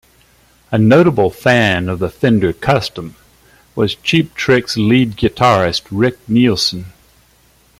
A notable fan of the Fender Custom was Cheap Trick's lead guitarist Rick Nielsen.